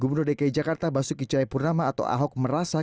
gubernur dki jakarta basuki cahayapurnama atau ahok merasa